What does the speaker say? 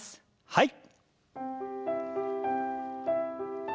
はい。